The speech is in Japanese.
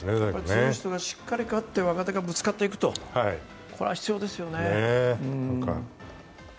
強い人がしっかり勝って、若手がぶつかっていくことは必要ですよね。